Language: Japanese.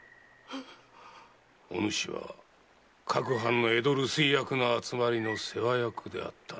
おぬしは各藩の江戸留守居役の集まりの世話役であったな？